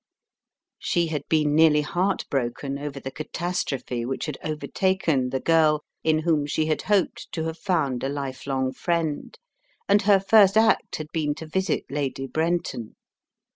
She had been nearly heart broken over the ca tastrophe which had overtaken the girl in whom she had hoped to have found a life long friend, and her first act had been to visit Lady Brenton.